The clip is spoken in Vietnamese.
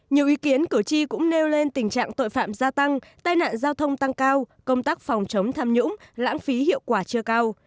nhiều ý kiến cử tri cũng nêu lên tình trạng tội phạm gia tăng tai nạn giao thông tăng cao công tác phòng chống tham nhũng lãng phí hiệu quả chưa cao